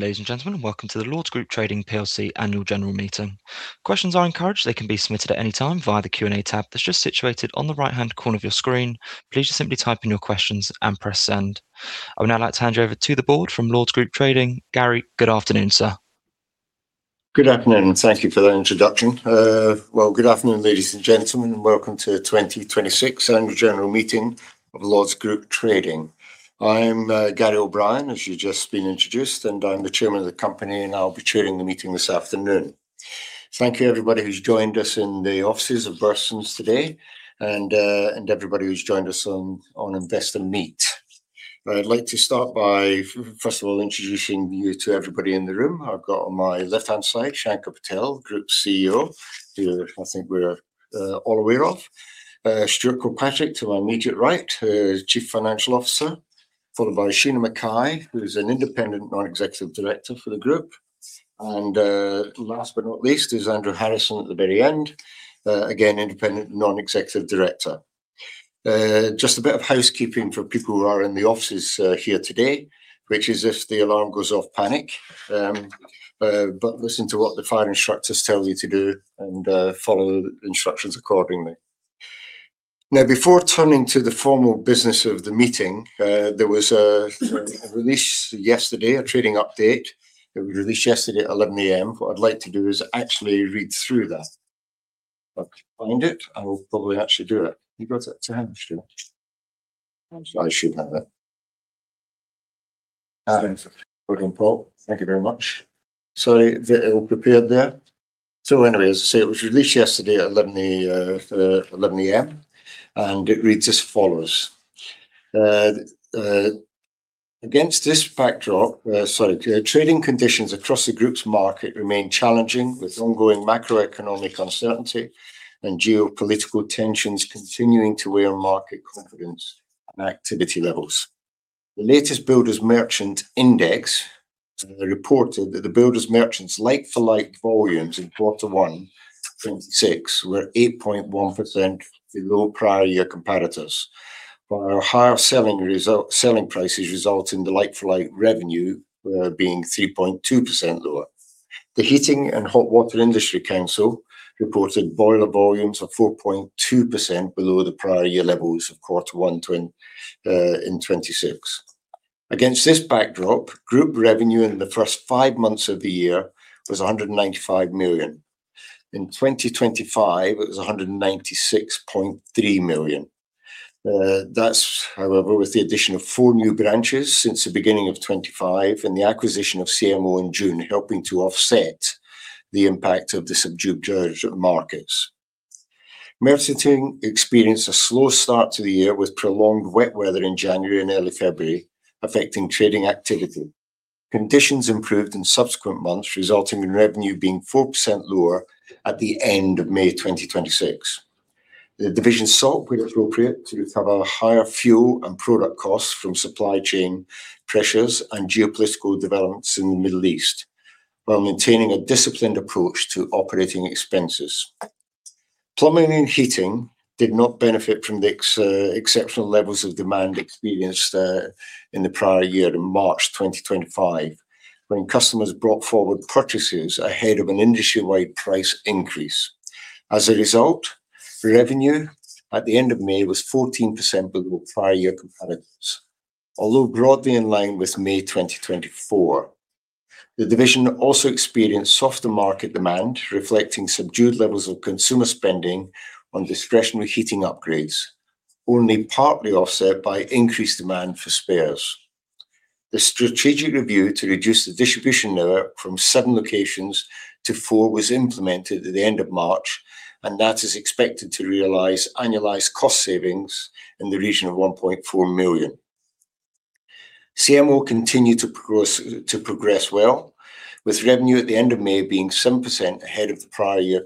Ladies and gentlemen, welcome to the Lords Group Trading PLC annual general meeting. Questions are encouraged. They can be submitted at any time via the Q&A tab that's just situated on the right-hand corner of your screen. Please just simply type in your questions and press send. I would now like to hand you over to the board from Lords Group Trading. Gary, good afternoon, sir. Good afternoon, thank you for that introduction. Good afternoon, ladies and gentlemen, and welcome to 2026 annual general meeting of Lords Group Trading. I'm Gary O'Brien, as you've just been introduced, and I'm the Chairman of the company, and I'll be chairing the meeting this afternoon. Thank you everybody who's joined us in the offices of Burson's today and everybody who's joined us on Investor Meet. I'd like to start by, first of all, introducing you to everybody in the room. I've got on my left-hand side, Shanker Patel, Group CEO, who I think we're all aware of. Stuart Kilpatrick to my immediate right, who is Chief Financial Officer. Followed by Sheena Mackay, who's an Independent Non-Executive Director for the group. Last but not least is Andrew Harrison at the very end. Independent Non-Executive Director. Just a bit of housekeeping for people who are in the offices here today, which is if the alarm goes off, panic. Listen to what the fire instructors tell you to do and follow the instructions accordingly. Before turning to the formal business of the meeting, there was a release yesterday, a trading update that we released yesterday at 11:00 A.M. What I'd like to do is actually read through that. If I can find it, I will probably actually do it. Have you got it to hand, Stuart? I should have. I should have it. There you go. Well done, Paul. Thank you very much. Well prepared there. As I say, it was released yesterday at 11:00 A.M. It reads as follows. Against this backdrop, trading conditions across the group's market remain challenging, with ongoing macroeconomic uncertainty and geopolitical tensions continuing to wear on market confidence and activity levels. The latest Builders Merchant Index reported that the builders merchants like-for-like volumes in quarter one 2026 were 8.1% below prior year comparators, while higher selling prices result in the like-for-like revenue being 3.2% lower. The Heating and Hotwater Industry Council reported boiler volumes of 4.2% below the prior year levels of quarter one in 2026. Against this backdrop, group revenue in the first five months of the year was 195 million. In 2025, it was 196.3 million. That's, however, with the addition of four new branches since the beginning of 2025 and the acquisition of CMO in June, helping to offset the impact of the subdued [judge markets]. Merchanting experienced a slow start to the year with prolonged wet weather in January and early February, affecting trading activity. Conditions improved in subsequent months, resulting in revenue being 4% lower at the end of May 2026. The division sought where appropriate to recover higher fuel and product costs from supply chain pressures and geopolitical developments in the Middle East while maintaining a disciplined approach to operating expenses. Plumbing and heating did not benefit from the exceptional levels of demand experienced in the prior year to March 2025, when customers brought forward purchases ahead of an industry-wide price increase. As a result, revenue at the end of May was 14% below prior year comparators. Although broadly in line with May 2024, the division also experienced softer market demand, reflecting subdued levels of consumer spending on discretionary heating upgrades, only partly offset by increased demand for spares. The strategic review to reduce the distribution network from seven locations to four was implemented at the end of March. That is expected to realize annualized cost savings in the region of 1.4 million. CMO continued to progress well, with revenue at the end of May being 7% ahead of the prior year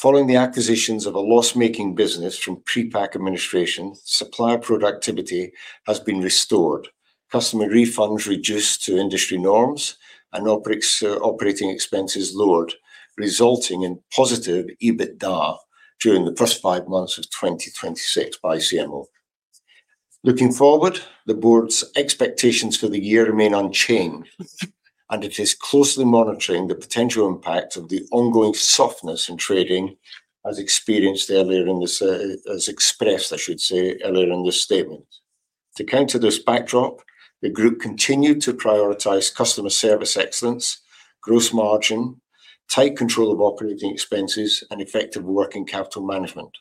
comparator. Following the acquisitions of a loss-making business from pre-pack administration, supplier productivity has been restored. Customer refunds reduced to industry norms and operating expenses lowered, resulting in positive EBITDA during the first five months of 2026 by CMO. Looking forward, the board's expectations for the year remain unchanged. It is closely monitoring the potential impact of the ongoing softness in trading as expressed, I should say, earlier in this statement. To counter this backdrop, the group continued to prioritize customer service excellence, gross margin, tight control of operating expenses, and effective working capital management.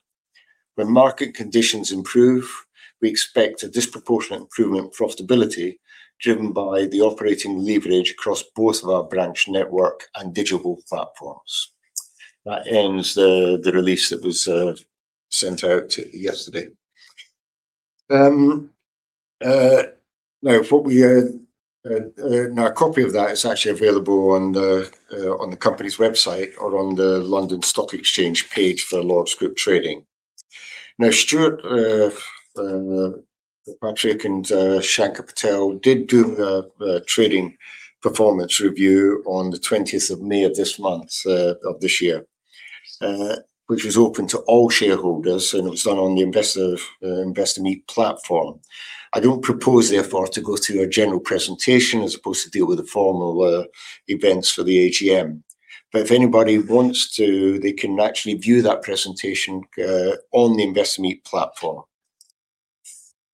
When market conditions improve, we expect a disproportionate improvement in profitability, driven by the operating leverage across both of our branch network and digital platforms. That ends the release that was sent out yesterday. A copy of that is actually available on the company's website or on the London Stock Exchange page for Lords Group Trading. Stuart Kilpatrick and Shanker Patel did do a trading performance review on the 20th of May of this year, which was open to all shareholders. It was done on the Investor Meet Company platform. I don't propose, therefore, to go through a general presentation as opposed to deal with the formal events for the AGM. If anybody wants to, they can actually view that presentation on the Investor Meet Company platform.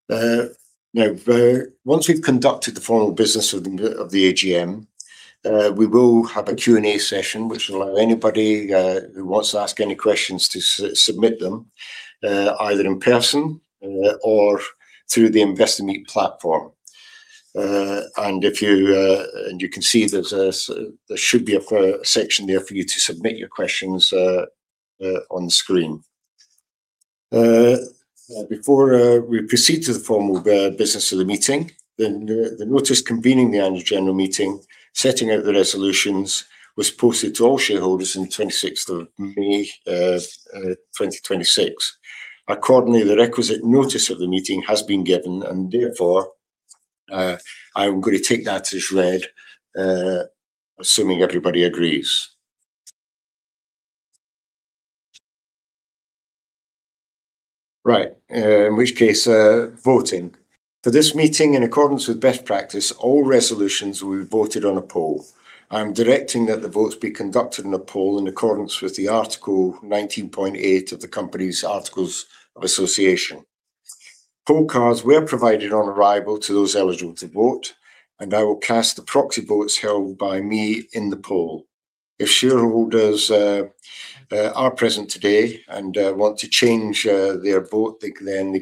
Once we've conducted the formal business of the AGM, we will have a Q&A session, which will allow anybody who wants to ask any questions to submit them, either in person or through the Investor Meet Company platform. You can see there should be a section there for you to submit your questions on the screen. Before we proceed to the formal business of the meeting, the notice convening the annual general meeting, setting out the resolutions, was posted to all shareholders on the 26th of May, 2026. Accordingly, the requisite notice of the meeting has been given. Therefore, I'm going to take that as read, assuming everybody agrees. Right. In which case, voting. For this meeting, in accordance with best practice, all resolutions will be voted on a poll. I am directing that the votes be conducted in a poll in accordance with article 19.8 of the company's articles of association. Poll cards were provided on arrival to those eligible to vote, and I will cast the proxy votes held by me in the poll. If shareholders are present today and want to change their vote, they can then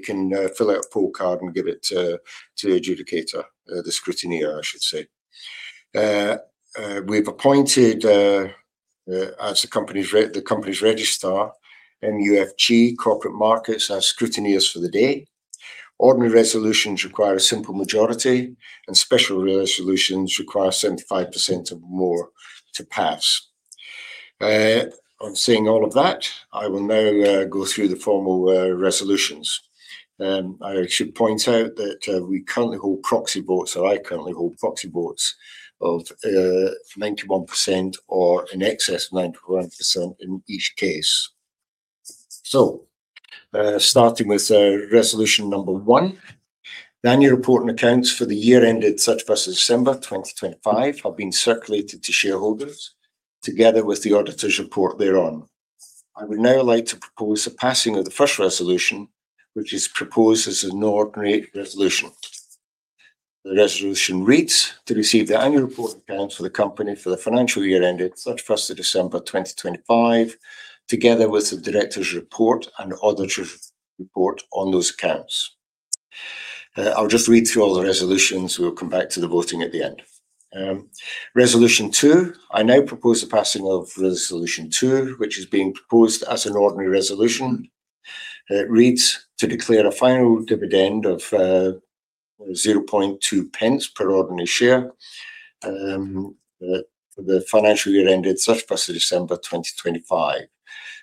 fill out a poll card and give it to the adjudicator, the scrutineer, I should say. We've appointed, as the company's registrar, MUFG Corporate Markets as scrutineers for the day. Ordinary resolutions require a simple majority, and special resolutions require 75% or more to pass. Saying all of that, I will now go through the formal resolutions. I should point out that we currently hold proxy votes, or I currently hold proxy votes of 91% or in excess of 91% in each case. Starting with Resolution Number 1. The annual report and accounts for the year ended 31st of December 2025 have been circulated to shareholders, together with the auditor's report thereon. I would now like to propose the passing of the first resolution, which is proposed as an ordinary resolution. The resolution reads: to receive the annual report and accounts for the company for the financial year ended 31st of December 2025, together with the directors' report and the auditor's report on those accounts. I'll just read through all the resolutions. We'll come back to the voting at the end. Resolution 2, I now propose the passing of Resolution 2, which is being proposed as an ordinary resolution. It reads: to declare a final dividend of 0.002 per ordinary share for the financial year ended 31st of December 2025.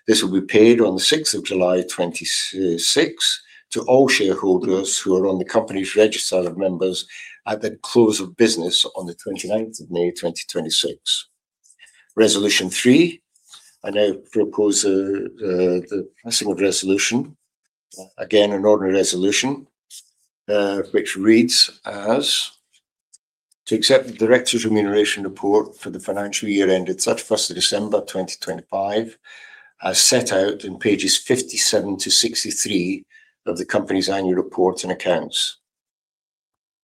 This will be paid on the 6th of July 2026 to all shareholders who are on the company's register of members at the close of business on the 29th of May 2026. Resolution 3, I now propose the passing of resolution, again, an ordinary resolution, which reads as: to accept the directors' remuneration report for the financial year ended 31st of December 2025, as set out in pages 57-63 of the company's annual report and accounts.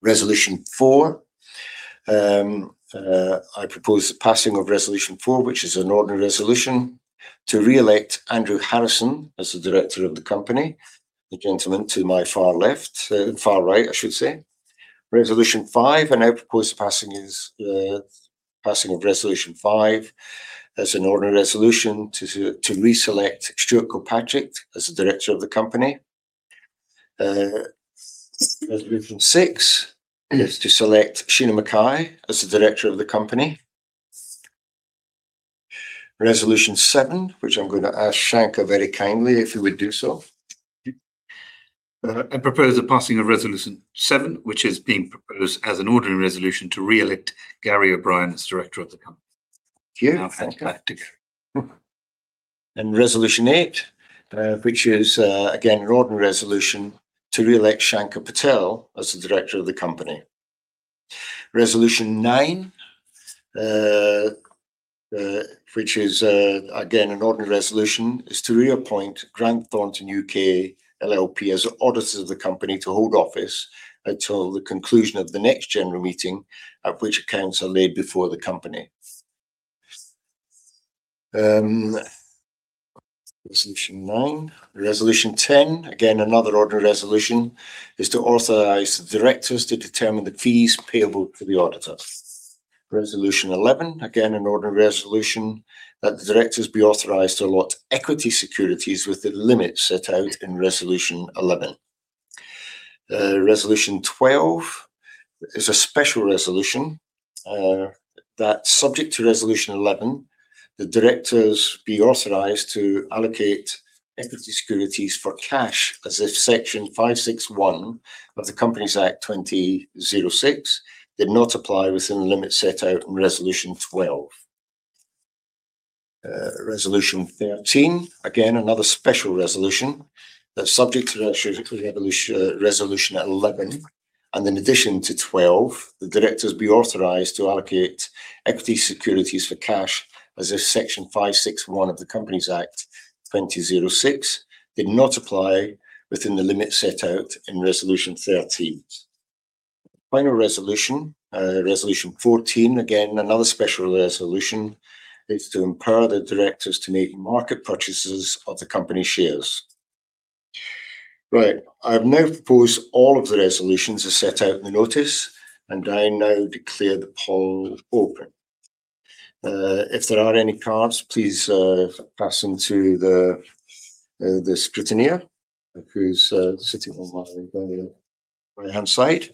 Resolution 4, I propose the passing of Resolution 4, which is an ordinary resolution, to re-elect Andrew Harrison as a director of the company, the gentleman to my far left, far right, I should say. Resolution 5, I now propose the passing of Resolution 5 as an ordinary resolution to re-select Stuart Kilpatrick as a director of the company. Resolution 6 is to select Sheena Mackay as a director of the company. Resolution 7, which I'm going to ask Shanker very kindly if he would do so. I propose the passing of Resolution 7, which is being proposed as an ordinary resolution to re-elect Gary O'Brien as director of the company. Thank you, Shanker. I'll hand back to Gary. Resolution 8, which is again, an ordinary resolution to re-elect Shanker Patel as a director of the company. Resolution 9, which is again an ordinary resolution, is to reappoint Grant Thornton U.K. LLP as auditors of the company to hold office until the conclusion of the next general meeting at which accounts are laid before the company. Resolution 9. Resolution 10, again, another ordinary resolution, is to authorize the directors to determine the fees payable to the auditors. Resolution 11, again, an ordinary resolution that the directors be authorized to allot equity securities with the limit set out in Resolution 11. Resolution 12 is a special resolution, that subject to Resolution 11 the directors be authorized to allocate equity securities for cash as if Section 561 of the Companies Act 2006 did not apply within the limit set out in Resolution 12. Resolution 13, again, another special resolution. That subject to Resolution 11, in addition to 12, the directors be authorized to allocate equity securities for cash as if Section 561 of the Companies Act 2006 did not apply within the limit set out in Resolution 13. Final resolution, Resolution 14, again, another special resolution, is to empower the directors to make market purchases of the company shares. Right. I've now proposed all of the resolutions as set out in the notice, I now declare the poll open. If there are any cards, please pass them to the scrutineer, who's sitting on my right-hand side.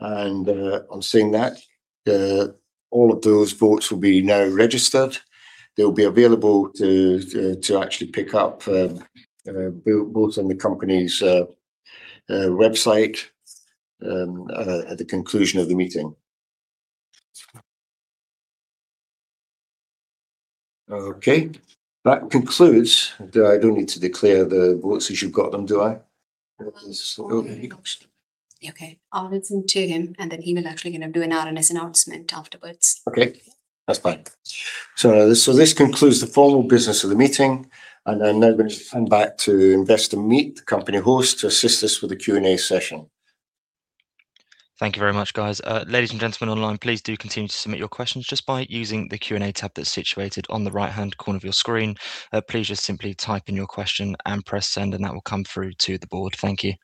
On saying that, all of those votes will be now registered. They'll be available to actually pick up votes on the company's website at the conclusion of the meeting. Okay. That concludes. I don't need to declare the votes as you've got them, do I? Okay. I'll listen to him, he will actually end up doing out on his announcement afterwards. Okay. That's fine. This concludes the formal business of the meeting, I'm now going to hand back to Investor Meet, the company host, to assist us with the Q&A session. Thank you very much, guys. Ladies and gentlemen online, please do continue to submit your questions just by using the Q&A tab that's situated on the right-hand corner of your screen. Please just simply type in your question and press send, that will come through to the board. Thank you.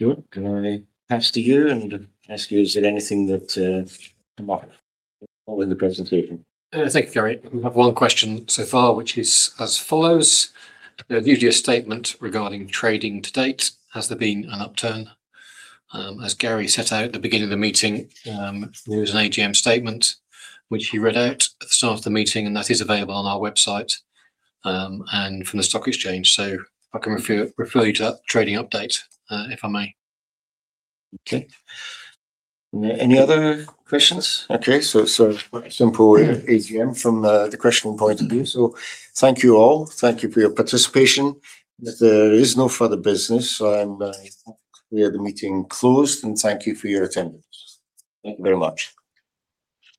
Stuart, can I pass to you and ask you, is there anything that came up in the presentation? Thank you, Gary. We have one question so far, which is as follows. "You did a statement regarding trading to date. Has there been an upturn?" As Gary set out at the beginning of the meeting, there was an AGM statement, which he read out at the start of the meeting, and that is available on our website, and from the stock exchange. I can refer you to that trading update, if I may. Okay. Any other questions? Okay, quite a simple AGM from the questioning point of view. Thank you all. Thank you for your participation. If there is no further business, I will declare the meeting closed and thank you for your attendance. Thank you very much.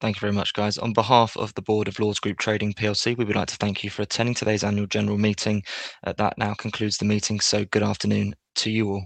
Thank you very much, guys. On behalf of the Board of Lords Group Trading PLC, we would like to thank you for attending today's annual general meeting. That now concludes the meeting, good afternoon to you all.